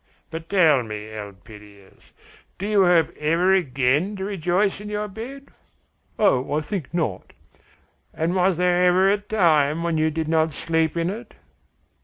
But tell me, Elpidias, do you hope ever again to rejoice in your bed?" "Oh, I think not." "And was there ever a time when you did not sleep in it?"